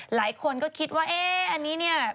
หลายคนก็คิดว่าเอ๊ะอันนี้เนี่ย